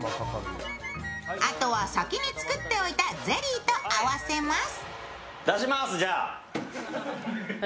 あとは先に作っておいたゼリーと合わせます。